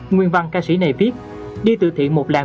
nguyên văn ca sĩ này viết đi từ thiện một làng